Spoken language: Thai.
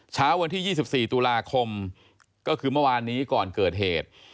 เช้าวันที่๒๔ตุลาคมก็คือเมื่อวานนี้ก่อนเกิดเหตุ